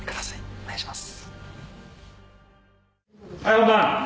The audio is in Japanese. お願いします。